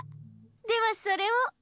ではそれを。